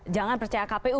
jangan percaya kpu